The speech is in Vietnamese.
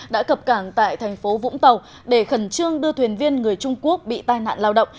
đã cập cảng tại thành phố vũng tàu để khẩn trương đưa thuyền viên người trung quốc bị tai nạn lao động